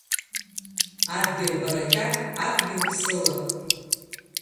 Адгьыл барақьаҭ, адгьыл ԥсыла.